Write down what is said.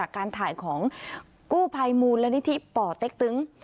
กู้ภัยมูลและนิธิป่อเต๊กตึ้ง